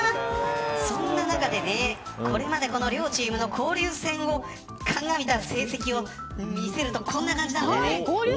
そんな中で、これまでこの両チームの交流戦を考えた成績を見せるとこんな感じなんだよね。